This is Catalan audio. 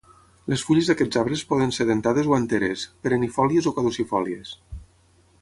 Les fulles d'aquests arbres poden ser dentades o enteres, perennifòlies o caducifòlies.